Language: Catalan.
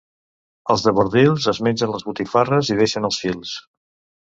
Els de Bordils es mengen les botifarres i deixen els fils.